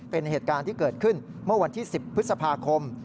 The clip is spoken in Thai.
เป็นเหตุการณ์ที่เกิดขึ้นเมื่อวันที่๑๐พฤษภาคม